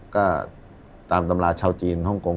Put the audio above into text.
ก็ตามตำราชาวจีนฮ่องกง